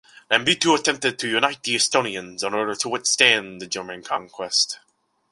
Lembitu attempted to unite the Estonians in order to withstand the German conquest.